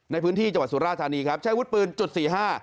ในพื้นที่จังหวัดสุราธานีครับใช้วุฒิปืนจุดสี่ห้า